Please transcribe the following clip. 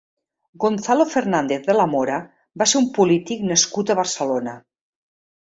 Gonzalo Fernández de la Mora va ser un polític nascut a Barcelona.